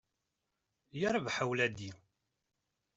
Yarbaḥ a wladi.